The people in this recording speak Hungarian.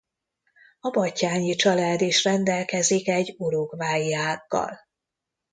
A Batthyány család is rendelkezik egy uruguayi ággal.